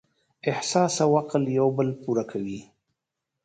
احساس او عقل یو بل پوره کوي.